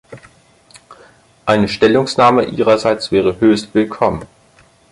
Eine Stellungnahme Ihrerseits wäre höchst willkommen.